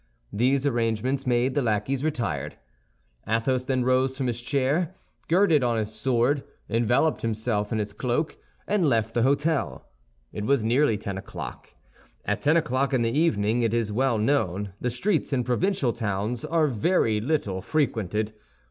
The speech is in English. These arrangements made, the lackeys retired. Athos then arose from his chair, girded on his sword, enveloped himself in his cloak, and left the hôtel. It was nearly ten o'clock. At ten o'clock in the evening, it is well known, the streets in provincial towns are very little frequented.